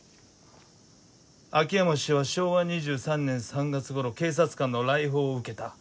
「秋山氏は昭和２３年３月ごろ警察官の来訪を受けた。